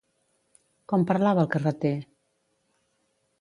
Com parlava el carreter?